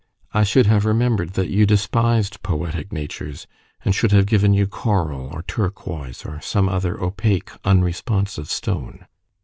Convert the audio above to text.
I should have remembered that you despised poetic natures, and should have given you coral, or turquoise, or some other opaque unresponsive stone."